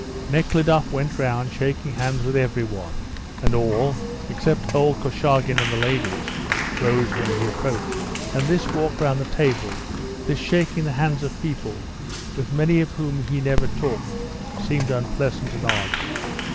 Nekhludoff went round shaking hands with every one, and all, except old Korchagin and the ladies, rose when he approached. And this walk round the table, this shaking the hands of people, with many of whom he never talked, seemed unpleasant and odd.